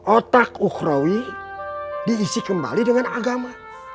otak uhrawi diisi kembali dengan agama